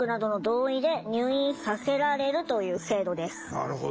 なるほど。